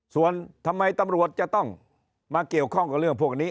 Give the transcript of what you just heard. ส่วนทำไมตำรวจจะต้องมาเกี่ยวข้องกับเรื่องพวกนี้